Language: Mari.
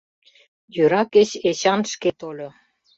Йӧра кеч Эчан шке тольо.